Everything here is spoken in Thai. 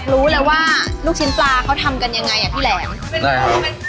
ลูกชิ้นรากบี้